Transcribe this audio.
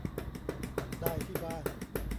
ได้ที่บ้าน